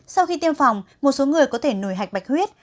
sau khi tiêm phòng một số người có thể nổi hạch bạch huyết